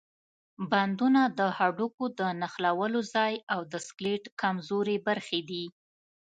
بندونه د هډوکو د نښلولو ځای او د سکلیټ کمزورې برخې دي.